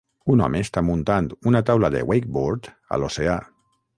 Un home està muntant una taula de wakeboard a l'oceà.